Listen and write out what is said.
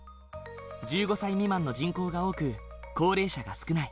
１５歳未満の人口が多く高齢者が少ない。